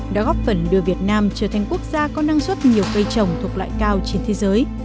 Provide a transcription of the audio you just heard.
đã góp phần đưa việt nam trở thành quốc gia có năng suất nhiều cây trồng thuộc loại cao trên thế giới